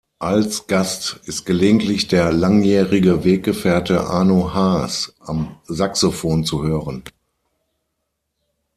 Als Gast ist gelegentlich der langjährige Weggefährte Arno Haas am Saxophon zu hören.